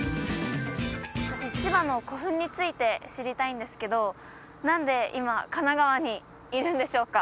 私千葉の古墳について知りたいんですけど何で今神奈川にいるんでしょうか？